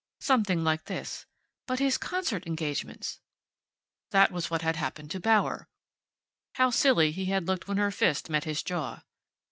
Something like this: But his concert engagements?... That was what had happened to Bauer.... How silly he had looked when her fist met his jaw....